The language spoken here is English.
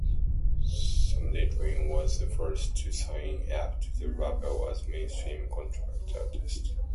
Somedaydream was the first to sign up to the label as mainstream contract artist.